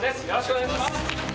よろしくお願いします